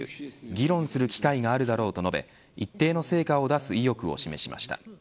議論する機会があるだろうと述べ一定の成果を出す意欲を示しました。